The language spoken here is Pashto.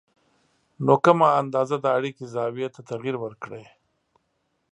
نو کمه اندازه د اړیکې زاویې ته تغیر ورکړئ